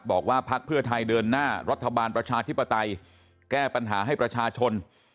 พักเพื่อไทยเดินหน้ารัฐบาลประชาธิปไตยแก้ปัญหาให้ประชาชน